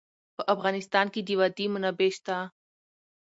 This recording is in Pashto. په افغانستان کې د وادي منابع شته.